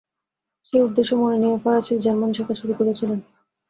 সেই উদ্দেশ্য মনে নিয়ে ফরাসি জর্মন শেখা শুরু করেছিল।